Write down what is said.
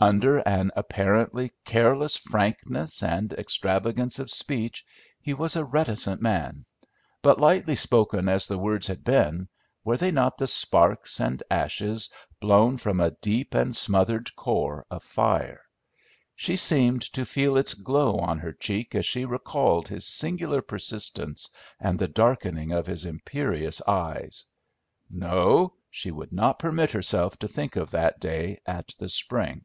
Under an apparently careless frankness and extravagance of speech he was a reticent man; but lightly spoken as the words had been, were they not the sparks and ashes blown from a deep and smothered core of fire? She seemed to feel its glow on her cheek as she recalled his singular persistence and the darkening of his imperious eyes. No, she would not permit herself to think of that day at the spring.